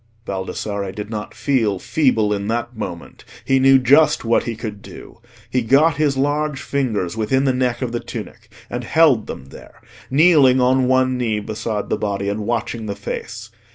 Baldassarre did not feel feeble in that moment. He knew just what he could do. He got his large fingers within the neck of the tunic and held them there, kneeling on one knee beside the body and watching the face.